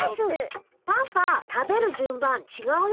パパ食べる順番ちがうよ。